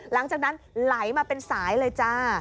หลังจากนั้นไหลมาเป็นสายเลยจ้า